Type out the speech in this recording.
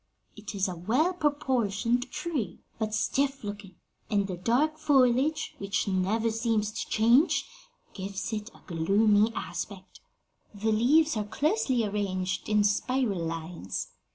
It is a well proportioned tree, but stiff looking, and the dark foliage, which never seems to change, gives it a gloomy aspect. The leaves are closely arranged in spiral lines.